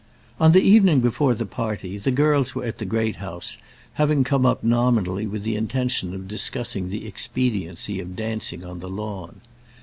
On the evening before the party the girls were at the Great House, having come up nominally with the intention of discussing the expediency of dancing on the lawn.